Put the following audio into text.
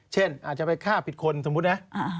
เช่นอาจจะไปฆ่าผิดคนสมมุตินะ